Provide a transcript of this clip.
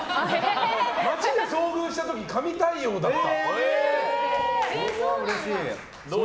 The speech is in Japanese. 街で遭遇した時、神対応だった。